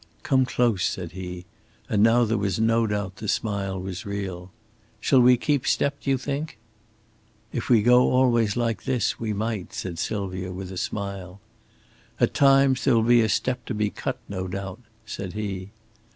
"Come close," said he, and now there was no doubt the smile was real. "Shall we keep step, do you think?" "If we go always like this, we might," said Sylvia, with a smile. "At times there will be a step to be cut, no doubt," said he.